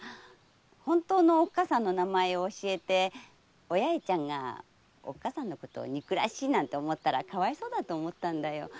本当のおっかさんの名前を教えてお八重ちゃんがおっかさんのこと憎らしいなんて思ったらかわいそうだと思ったんだよ。